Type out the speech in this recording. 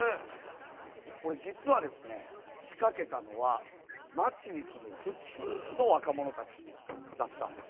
これ実は仕掛けたのは街に住む普通の若者たちだったんです。